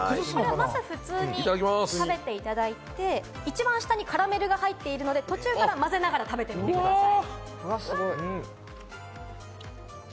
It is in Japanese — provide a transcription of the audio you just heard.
まず普通に食べていただいて、一番下にカラメルが入っているので途中から混ぜてください。